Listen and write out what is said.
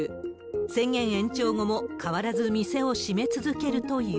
宣言延長後も変わらず店を閉め続けるという。